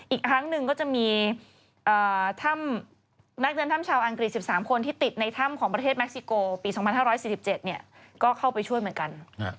อีกครั้งหนึ่งก็จะมีนักเดินถ้ำชาวอังกฤษ๑๓คนที่ติดในถ้ำของประเทศเม็กซิโกปี๒๕๔๗ก็เข้าไปช่วยเหมือนกัน